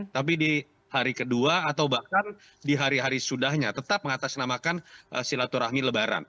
tapi di hari kedua atau bahkan di hari hari sudahnya tetap mengatasnamakan silaturahmi lebaran